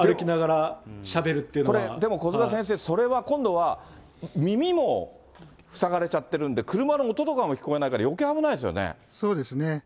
これでも小塚先生、それは今度は、耳も塞がれちゃってるんで、車の音とかも聞こえないから、そうですね。